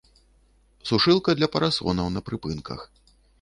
Сушылка для парасонаў на прыпынках.